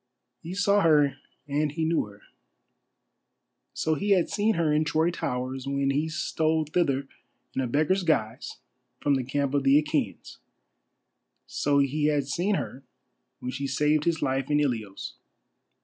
He saw her and he knew her. So he had seen her in Troy towers when he stole thither in a beggar's guise from the camp of the Achæans. So he had seen her when she saved his life in Ilios.